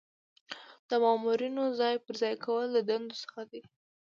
د مامورینو ځای پر ځای کول د دندو څخه دي.